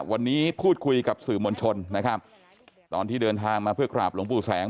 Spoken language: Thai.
วันนี้พูดคุยกับสื่อมวลชนนะครับตอนที่เดินทางมาเพื่อกราบหลวงปู่แสง